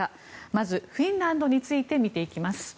まずフィンランドについて見ていきます。